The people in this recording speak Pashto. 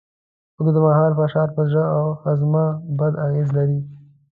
اوږدمهاله فشار پر زړه او هاضمه بد اغېز لري.